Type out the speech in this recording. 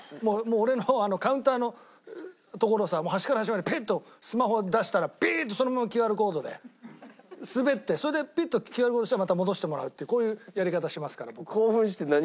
俺のカウンターのところさ端から端までピッとスマホ出したらピーッとそのままＱＲコードで滑ってそれでピッとＱＲコードしたらまた戻してもらうっていうこういうやり方しますから僕。